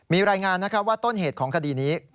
ในงานนะคะว่าต้นเหตุของคดีนี้